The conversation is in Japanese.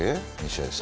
２試合で。